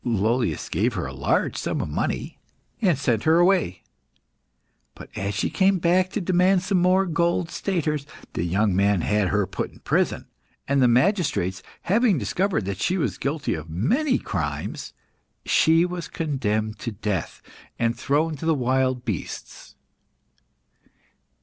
Lollius gave her a large sum of money, and sent her away. But, as she came back to demand some more gold staters, the young man had her put in prison, and the magistrates having discovered that she was guilty of many crimes, she was condemned to death, and thrown to the wild beasts.